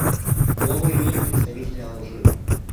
Слово имеет представитель Алжира.